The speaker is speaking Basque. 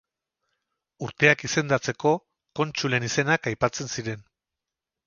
Urtea izendatzeko, kontsulen izenak aipatzen ziren.